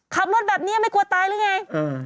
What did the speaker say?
ขับรถแบบนี้ไม่กลัวตายหรือไง